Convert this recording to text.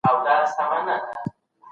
زه خپل فعالیت د کمپنۍ سره شریکوم.